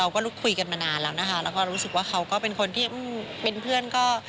ก็ลุกคุยกันมานานแล้วนะคะแล้วก็รู้สึกว่าเขาก็เป็นคนที่เป็นเพื่อนก็